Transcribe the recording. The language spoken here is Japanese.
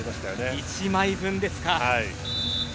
１枚分ですか。